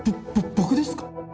僕ですか？